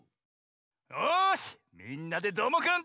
よし「みんなＤＥどーもくん！」